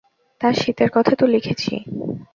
আর শীতের কথা তো লিখেছি।